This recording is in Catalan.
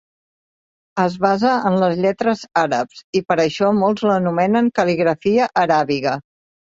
Es basa en les lletres àrabs i, per això, molts l'anomenen "cal·ligrafia aràbiga".